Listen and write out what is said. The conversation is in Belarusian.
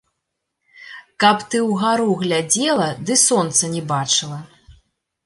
Каб ты ўгару глядзела ды сонца не бачыла!